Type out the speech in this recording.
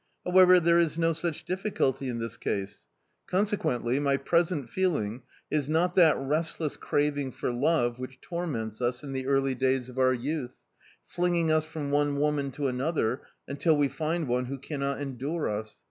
However, there is no such difficulty in this case! Consequently, my present feeling is not that restless craving for love which torments us in the early days of our youth, flinging us from one woman to another until we find one who cannot endure us.